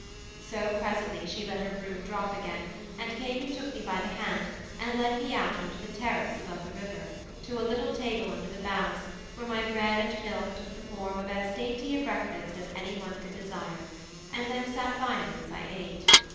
So presently she let her broom drop again, and came and took me by the hand and led me out on to the terrace above the river, to a little table under the boughs, where my bread and milk took the form of as dainty a breakfast as any one could desire, and then sat by me as I ate.